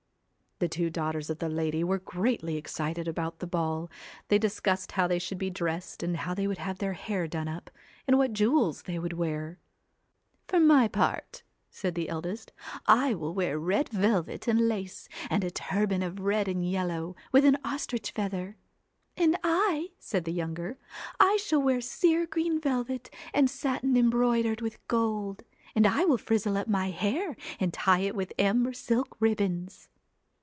The two daughters of the lady were greatly excited about the ball ; they discussed how they should be dressed and how they would have their hair done up, and what jewels they would wear. 'For my part,' said the eldest, 'I will wear red velvet and lace, and a turban of red and yellow, with an ostrich feather.' 'And I,' said the younger, 'I shall wear sere green velvet and satin embroidered with gold, and I will frizzle up my hair and tie it with amber silk ribbons.'